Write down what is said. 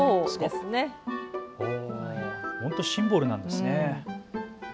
本当、シンボルなんですね。